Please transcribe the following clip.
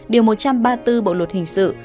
điều một trăm ba mươi bốn bộ luật hình sự